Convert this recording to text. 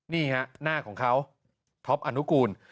นี่ฮะหน้าของเขาท็อปอนุกูล